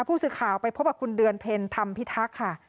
ผู้สื่อข่าวไปพบกับคุณเดือนเพ็ญธรรมพิทักษ์ค่ะ